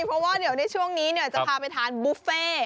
เพราะว่าเดี๋ยวในช่วงนี้จะพาไปทานบุฟเฟ่